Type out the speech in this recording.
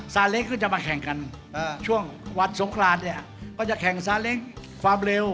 ซาเล้งก็จะมาแข่งกันช่วงวันสงครานเนี่ยก็จะแข่งซาเล้งความเร็ว